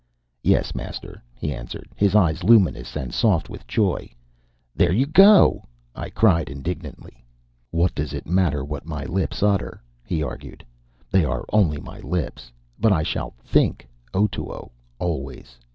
"Yes, master," he answered, his eyes luminous and soft with joy. "There you go!" I cried indignantly. "What does it matter what my lips utter?" he argued. "They are only my lips. But I shall think Otoo always.